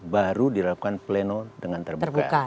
baru dilakukan pleno dengan terbuka